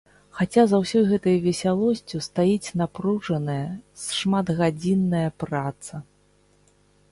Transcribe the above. Хаця за ўсёй гэтай весялосцю стаіць напружаная, шматгадзінная праца.